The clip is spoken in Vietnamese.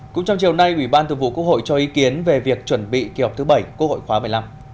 cũng trong chiều nay ủy ban thường vụ quốc hội cho ý kiến về việc chuẩn bị kỳ họp thứ bảy quốc hội khóa một mươi năm